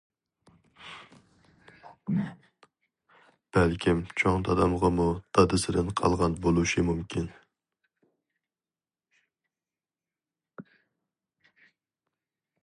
بەلكىم چوڭ دادامغىمۇ دادىسىدىن قالغان بولۇشى مۇمكىن.